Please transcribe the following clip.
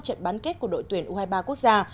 trận bán kết của đội tuyển u hai mươi ba quốc gia